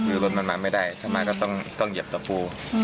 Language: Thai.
คือรถมันมาไม่ได้ถ้ามาก็ต้องเหยียบตะปู